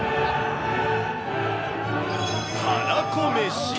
はらこ飯。